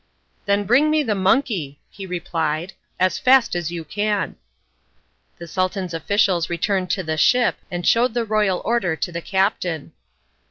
"Then bring me the monkey," he replied, "as fast as you can." The Sultan's officials returned to the ship and showed the royal order to the captain.